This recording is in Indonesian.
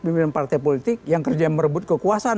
pimpinan partai politik yang kerja merebut kekuasaan